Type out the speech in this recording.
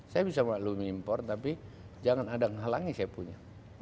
saya bisa melalui impor tapi jangan ada yang menghalangi saya punya